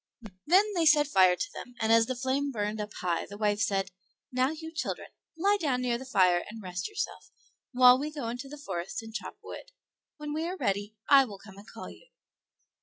Then they set fire to them, and as the flame burned up high the wife said, "Now, you children, lie down near the fire and rest yourself, while we go into the forest and chop Wood; when we are ready, I will come and call you."